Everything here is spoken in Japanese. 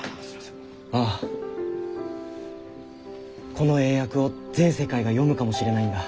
この英訳を全世界が読むかもしれないんだ。